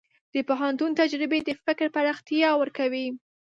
د پوهنتون تجربې د فکر پراختیا ورکوي.